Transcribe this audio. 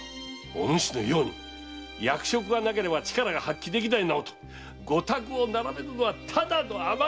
おぬしのように「役職がなければ力が発揮できない」などと御託を並べるのはただの甘えじゃ！